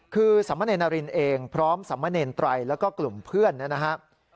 คือสมเนรนารินเองพร้อมสมเนรไตรแล้วก็กลุ่มเพื่อนนะครับ